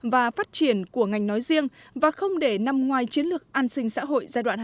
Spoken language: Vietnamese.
và phát triển của ngành nói riêng và không để nằm ngoài chiến lược an sinh xã hội giai đoạn hai nghìn hai mươi một hai nghìn hai mươi